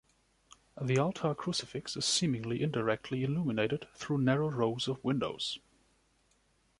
The altar crucifix is seemingly indirectly illuminated through narrow rows of windows.